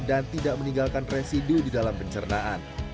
dan tidak meninggalkan residu di dalam pencernaan